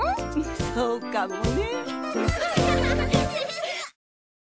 そうかもね。